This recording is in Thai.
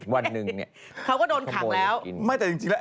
วันหนึ่งเนี่ยขโมยแล้วกินเขาก็โดนขักแล้ว